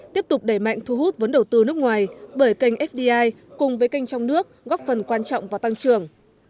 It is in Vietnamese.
tiếp tục đẩy mạnh thu hút vốn đầu tư nước ngoài bởi kênh fdi cùng với kênh trong nước góp phần quan trọng vào tăng trưởng